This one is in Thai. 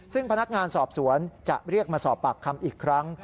ซึ่งพนักงานสอบสวนจะเรียกมาสอบปากคำอีกครั้ง